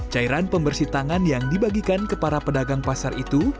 cairan pembersih tangan yang dibagikan ke para pedagang pasar itu